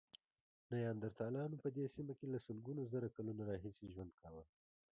نیاندرتالانو په دې سیمه کې له سلګونو زره کلونو راهیسې ژوند کاوه.